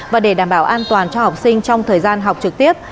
và để đảm bảo an toàn cho học sinh trong thời gian học trực tiếp